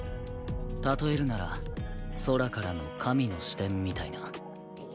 例えるなら空からの神の視点みたいな。